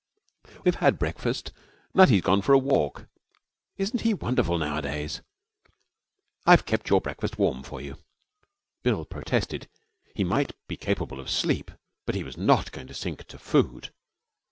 'We've had breakfast. Nutty has gone for a walk. Isn't he wonderful nowadays? I've kept your breakfast warm for you.' Bill protested. He might be capable of sleep, but he was not going to sink to food.